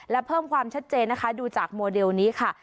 และเพิ่มความชัดเจนนะคะดูจากโมเดลนี้ค่ะ